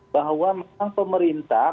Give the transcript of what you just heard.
bahwa memang pemerintah